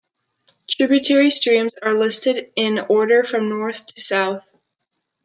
Tributary streams are listed in order from north to south.